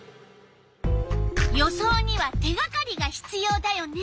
予想には手がかりがひつようだよね。